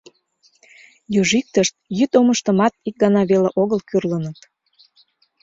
— Южиктышт йӱдомыштымат ик гана веле огыл кӱрлыныт.